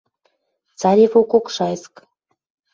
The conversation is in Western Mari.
Царевококшайск